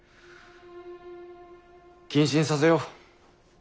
・謹慎させよう。